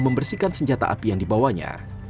membersihkan senjata api yang dibawanya